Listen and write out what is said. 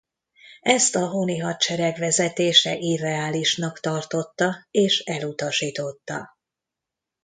Ezt a Honi Hadsereg vezetése irreálisnak tartotta és elutasította.